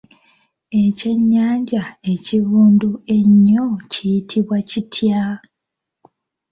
Ekyennyanja ekivundu ennyo kiyitibwa kitya?